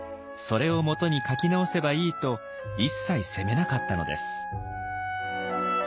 それを基に描き直せばいいと一切責めなかったのです。